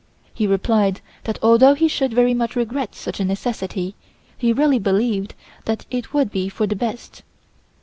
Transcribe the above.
He replied that although he should very much regret such a necessity, he really believed that it would be for the best.